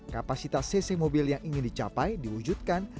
kapasitas cc mobil yang ingin dicapai diwujudkan